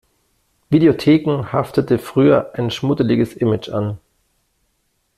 Videotheken haftete früher ein schmuddeliges Image an.